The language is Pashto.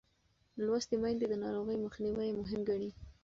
لوستې میندې د ناروغۍ مخنیوی مهم ګڼي.